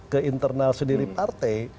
ke internal sendiri partai